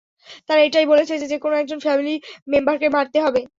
তারা এটাই বলেছে যে, যেকোন একজন ফ্যামিলি মেম্বারকে মারতে হবে।